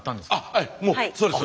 はいもうそうです。